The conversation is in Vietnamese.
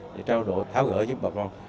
để trao đổi tháo gỡ giúp bà con